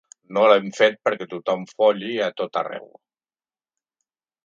No l’hem fet perquè tothom folli a tot arreu.